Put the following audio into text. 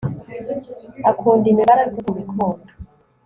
Akunda imibare ariko simbikunda